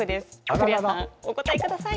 古谷さん、お答えください！